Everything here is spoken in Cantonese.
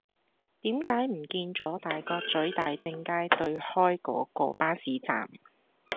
點解唔見左大角咀大政街對開嗰個巴士站